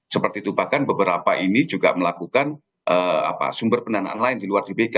seperti itu bahkan beberapa ini juga melakukan sumber pendanaan lain di luar dbk